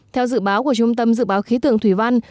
theo dự báo của trung tâm dự báo khí tượng thủy văn